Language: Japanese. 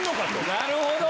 なるほど。